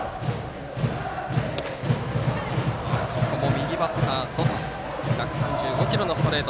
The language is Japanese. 右バッターの外に１３５キロのストレート。